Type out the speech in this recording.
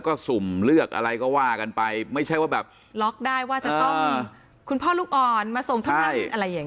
ก็ว่ากันไปไม่ใช่ว่าแบบล็อกได้ว่าจะต้องคุณพ่อลูกอ่อนมาส่งท่านอะไรอย่าง